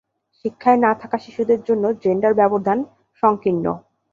শিক্ষায় না থাকা শিশুদের জন্য জেন্ডার ব্যবধান সংকীর্ণ।